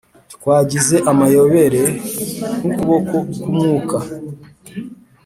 twagize amayobera nk'ukuboko k'umwuka